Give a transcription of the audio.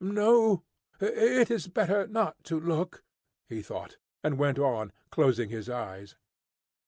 "No, it is better not to look," he thought, and went on, closing his eyes.